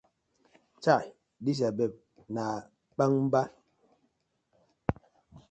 Chai dis yur babe na kpangba.